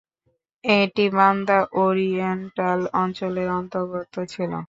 এটি Banda Oriental অঞ্চলের অন্তর্গত ছিল।